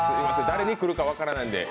誰に来るか分からないんで。